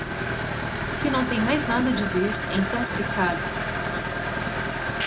Se não tem mais nada a dizer, então se cale